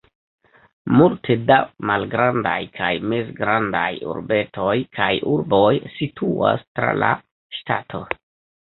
Multe da malgrandaj kaj mezgrandaj urbetoj kaj urboj situas tra la ŝtato.